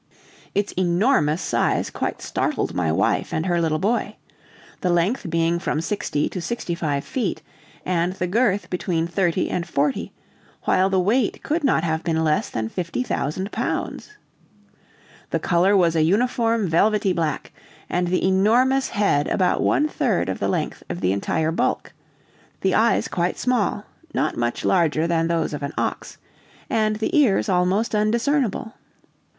Its enormous size quite startled my wife and her little boy; the length being from sixty to sixty five feet, and the girth between thirty and forty, while the weight could not have been less than 50,000 pounds. The color was a uniform velvety black, and the enormous head about one third of the length of the entire bulk, the eyes quite small, not much larger than those of an ox, and the ears almost undiscernible.